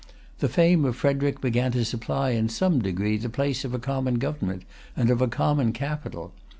The fame of Frederic began to supply, in some degree, the place of a common government and of a common capital.